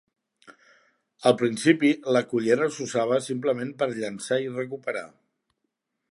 Al principi, la cullera s'usava simplement per llançar i recuperar.